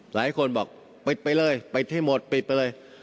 หลายคนบอกไปเลยไปทั้งหมดไปไปเลย